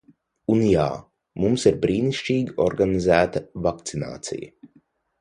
Un jā, mums ir brīnišķīgi organizēta vakcinācija.